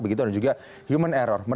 begitu dan juga human error